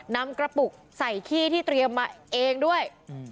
นำกระปุกใส่ขี้ที่เตรียมมาเองด้วย